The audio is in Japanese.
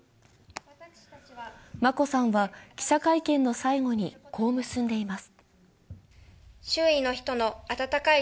眞子さんは記者会見の最後に、こう結んでいます。